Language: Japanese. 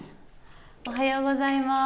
おはようございます。